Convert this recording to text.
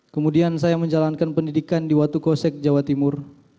kemudian saya menjalankan pendidikan di watu kosek jawa timur